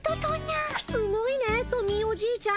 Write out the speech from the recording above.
すごいねトミーおじいちゃん。